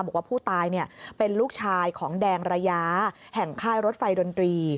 บอกว่าผู้ตายเป็นลูกชายของแดงระยะแห่งค่ายรถไฟดนตรี